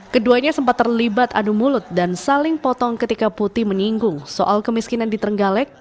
keduanya sempat terlibat adu mulut dan saling potong ketika putih menyinggung soal kemiskinan di trenggalek